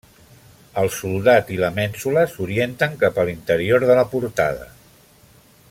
El soldat i la mènsula s'orienten cap a l'interior de la portada.